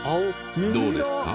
どうですか？